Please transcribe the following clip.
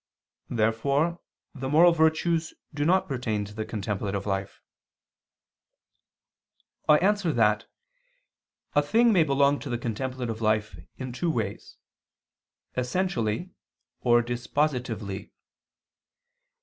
Therefore the moral virtues do not pertain to the contemplative life. I answer that, A thing may belong to the contemplative life in two ways, essentially or dispositively.